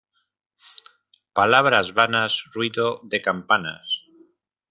Palabras vanas, ruido de campanas.